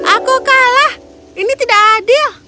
aku kalah ini tidak adil